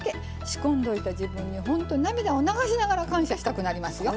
仕込んでおいた自分にほんと涙を流しながら感謝したくなりますよ。